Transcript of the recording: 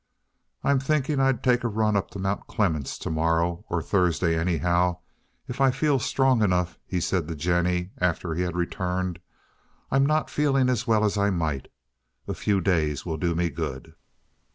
"I'm thinking I'd take a run up to Mt. Clemens to morrow, or Thursday anyhow, if I feel strong enough," he said to Jennie after he had returned. "I'm not feeling as well as I might. A few days will do me good."